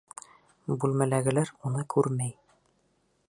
Бүлмәләгеләр уны күрмәй.